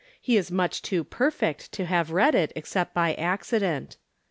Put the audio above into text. He is much too per 3ct to have read it, except by accident.